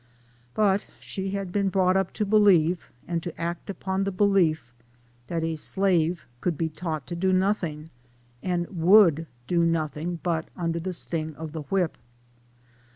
But she had been brought up to believe, and to act upon the belief, that a slave could be taught to do nothing, and would do nothing but under the sting of the whip.